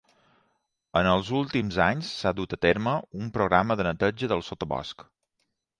En els últims anys s'ha dut a terme un programa de neteja del sotabosc.